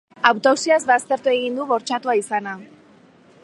Autopsiak baztertu egin du bortxatua izana.